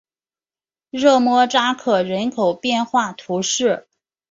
热莫扎克人口变化图示